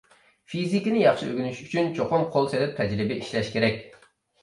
فىزىكىنى ياخشى ئۆگىنىش ئۈچۈن، چوقۇم قول سېلىپ تەجرىبە ئىشلەش كېرەك.